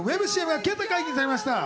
ＣＭが今朝公開されました。